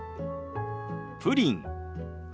プリン。